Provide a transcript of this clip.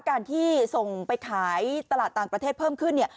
การที่ส่งไปขายตลาดต่างประเทศเพิ่มขึ้นเนี่ย